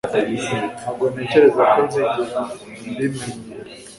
ntabwo ntekereza ko nzigera mbimenyera